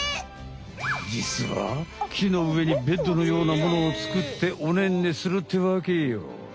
じつは木の上にベッドのようなものを作っておねんねするってわけよ！